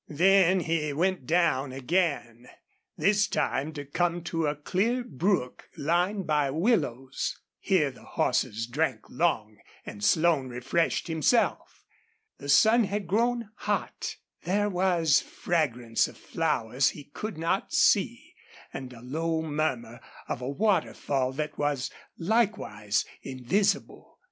Then he went down again, this time to come to a clear brook lined by willows. Here the horses drank long and Slone refreshed himself. The sun had grown hot. There was fragrance of flowers he could not see and a low murmur of a waterfall that was likewise invisible.